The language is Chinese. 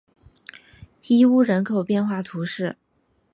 伊乌人口变化图示